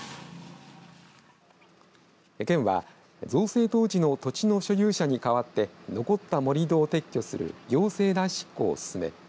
県は造成当時の土地の所有者に代わって残った盛り土を撤去する行政代執行を進め